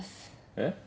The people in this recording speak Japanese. えっ？